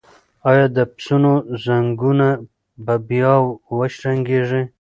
ایا د پسونو زنګونه به بیا وشرنګیږي؟